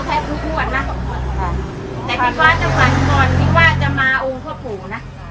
เข้าแค่พูดนะค่ะแต่ที่ว่าจะฝันก่อนที่ว่าจะมาองค์พระปู่น่ะ